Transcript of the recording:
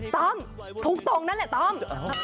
ต้อมทุกตรงนั่นแหละต้อม